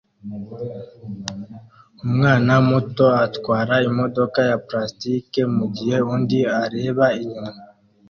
Umwana muto atwara imodoka ya plastiki mugihe undi areba inyuma